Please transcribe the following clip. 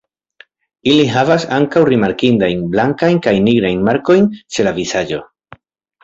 Ili havas ankaŭ rimarkindajn blankajn kaj nigrajn markojn ĉe la vizaĝo.